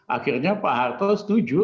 akhirnya pak harto setuju